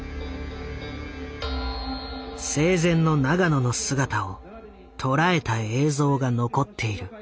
生前の永野の姿を捉えた映像が残っている。